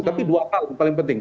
tapi dua hal yang paling penting